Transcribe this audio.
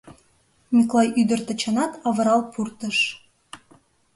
Миклай ӱдыр Тачанат авырал пуртыш.